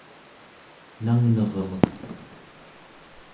nangnermek